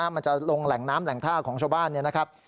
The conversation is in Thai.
มันจะลงแหล่งน้ำแหล่งท่าของชาวบ้านเนี่ยนะครับ